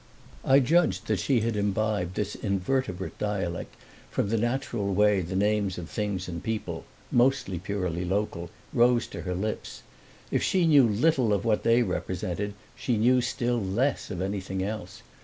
I judged that she had imbibed this invertebrate dialect from the natural way the names of things and people mostly purely local rose to her lips. If she knew little of what they represented she knew still less of anything else.